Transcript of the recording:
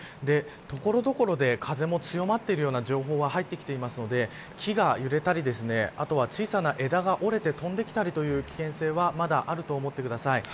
所々で風も強まっているような情報は入ってきているので木が揺れたりあとは、小さな枝が折れて飛んできたりという危険性はまだあると思ってください。